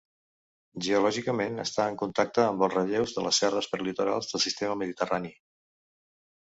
Geològicament està en contacte amb els relleus de les serres prelitorals del sistema mediterrani.